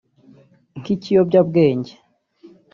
nk’ikiyobyabwenge